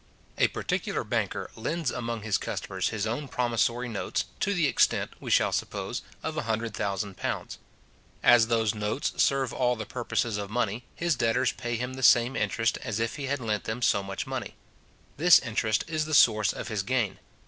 A particular banker lends among his customers his own promissory notes, to the extent, we shall suppose, of a hundred thousand pounds. As those notes serve all the purposes of money, his debtors pay him the same interest as if he had lent them so much money. This interest is the source of his gain.